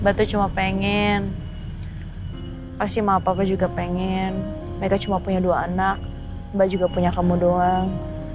mbak tuh cuma pengen pasti sama papa juga pengen mereka cuma punya dua anak mbak juga punya kamu doang